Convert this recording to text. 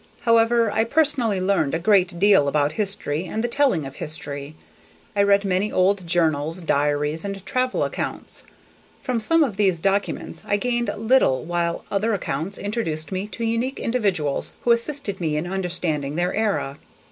However, I personally learned a great deal about history and the telling of history. I read many old journals, diaries, and travel accounts. From some of these documents I gained little while other accounts introduced me to unique individuals who assisted me in understanding their era.